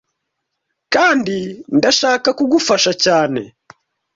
kandi ndashaka kugufasha cyane